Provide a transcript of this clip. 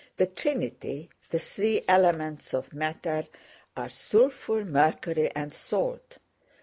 The Trinity—the three elements of matter—are sulphur, mercury, and salt.